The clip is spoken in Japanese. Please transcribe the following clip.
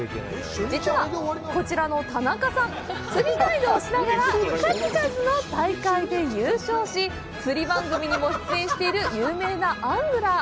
実は、こちらの田中さん釣りガイドをしながら数々の大会で優勝し釣り番組にも出演している有名なアングラー。